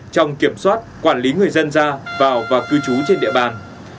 trong kiểm soát quản lý người dân ra vào và cư trú trên địa bàn